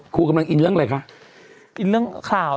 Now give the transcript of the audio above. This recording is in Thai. ครูกำลังอินเรื่องอะไรคะ